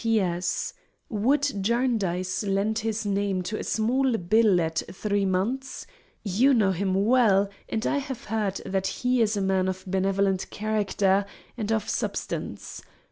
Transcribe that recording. P.S.—Would Jarndyce lend his name to a small bill at three months? You know him well, and I have heard that he is a man of benevolent character, and of substance.